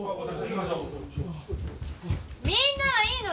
みんなはいいの。